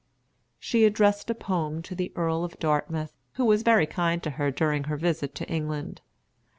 She addressed a poem to the Earl of Dartmouth, who was very kind to her during her visit to England.